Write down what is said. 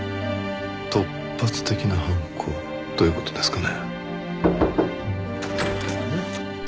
突発的な犯行という事ですかね？